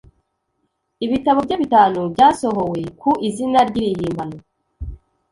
Ibitabo bye bitanu byasohowe ku izina ry'irihimbano